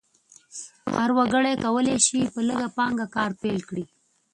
هر وګړی کولی شي په لږه پانګه کار پیل کړي.